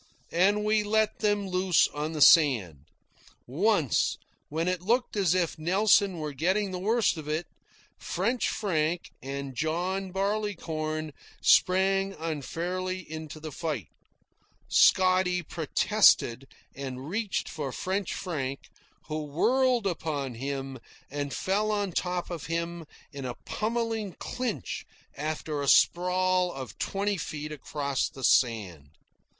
And we let them loose on the sand. Once, when it looked as if Nelson were getting the worst of it, French Frank and John Barleycorn sprang unfairly into the fight. Scotty protested and reached for French Frank, who whirled upon him and fell on top of him in a pummelling clinch after a sprawl of twenty feet across the sand.